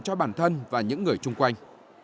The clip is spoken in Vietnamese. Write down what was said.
cho bản thân và những người chung quanh